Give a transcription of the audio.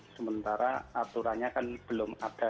sementara aturannya kan belum ada